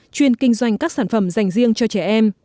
chuyên kinh doanh các sản phẩm dành riêng cho trẻ em